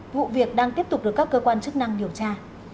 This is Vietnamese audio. vụ việc đang tiếp tục được các cơ quan chức năng điều tra